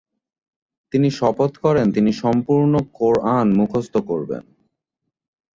তিনি শপথ করেন তিনি সম্পূর্ণ কোরআন মুখস্থ করবেন।